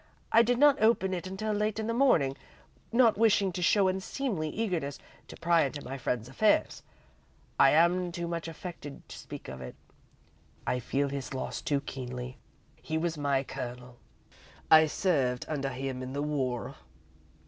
I did not open it until late in the morning, not wishing to show unseemly eagerness to pry into my friend's affairs. I am too much affected to speak of it I feel his loss too keenly. He was my Colonel I served under him in the war."